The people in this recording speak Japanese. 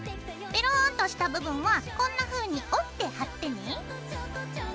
ベローンとした部分はこんなふうに折って貼ってね。